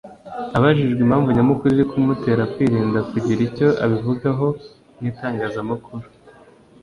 Abajijwe impamvu nyamukuru iri kumutera kwirinda kugira icyo abivugaho mu itangazamakuru